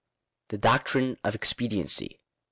THE DOCTRINE OF EXPEDIENCY.